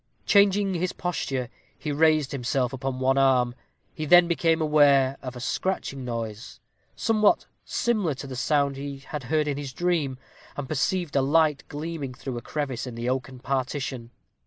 Changing his posture, he raised himself upon one arm; he then became aware of a scratching noise, somewhat similar to the sound he had heard in his dream, and perceived a light gleaming through a crevice in the oaken partition.